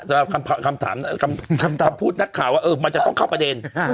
สำหรับคำถามคำพูดนักข่าวว่ามันจะต้องเข้าประเด็น